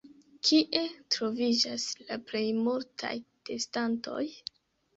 Kie troviĝas la plej multaj testantoj?